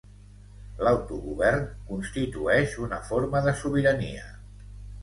L'autogovern constitueix una forma de sobirania.